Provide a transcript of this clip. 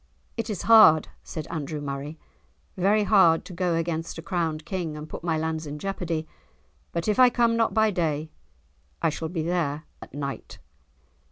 "It is hard," said Andrew Murray, "very hard to go against a crowned King and put my lands in jeopardy; but if I come not by day I shall be there at night."